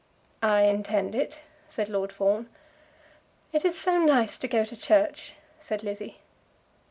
"I intend it," said Lord Fawn. "It is so nice to go to church," said Lizzie.